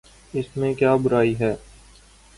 اس میں کیا برائی ہے؟